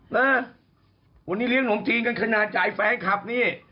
นะวันนี้เลี้ยงหนมจีนกันขนาดจ่ายแฟนคลับนี่